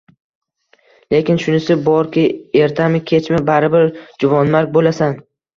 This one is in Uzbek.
Lekin shunisi borki, ertami-kechmi, baribir juvonmarg bo`lasan